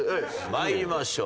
まいりましょう。